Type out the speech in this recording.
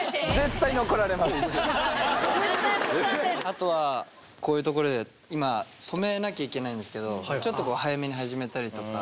あとはこういうところで今止めなきゃいけないんですけどちょっとこう早めに始めたりとか。